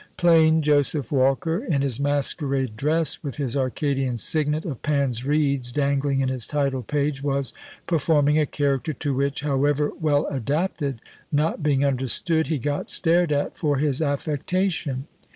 Plain Joseph Walker, in his masquerade dress, with his Arcadian signet of Pan's reeds dangling in his title page, was performing a character to which, however well adapted, not being understood, he got stared at for his affectation!